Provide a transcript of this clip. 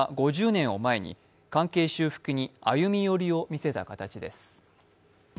５０年を前に関係修復に歩み寄りを見せた形です。